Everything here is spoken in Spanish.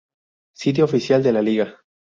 Sitio oficial de la liga